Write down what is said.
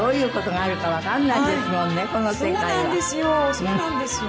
そうなんですよ！